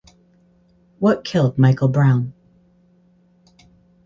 What Killed Michael Brown?